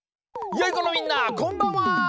よいこのみんなこんばんは！